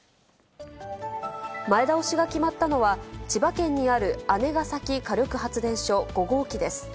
前倒しが決まったのは、千葉県にある姉崎火力発電所５号機です。